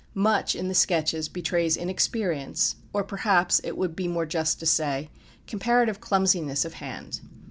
Much in the "Sketches" betrays inexperience; or, perhaps, it would be more just to say, comparative clumsiness of hand.